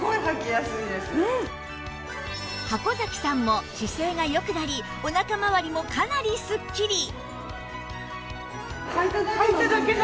箱崎さんも姿勢が良くなりお腹まわりもかなりスッキリ